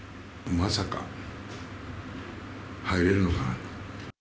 まさか、入れるのかなって。